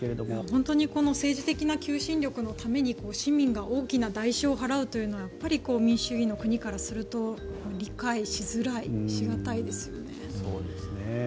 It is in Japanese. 本当に政治的な求心力のために市民が大きな代償を払うというのは民主主義の国からすると理解しづらい、し難いですよね。